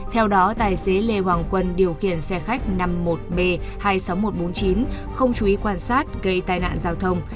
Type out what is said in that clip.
theo đó tài xế lê hoàng quân điều khiển xe khách năm mươi một b hai mươi sáu nghìn một trăm bốn mươi chín không chú ý quan sát gây tai nạn giao thông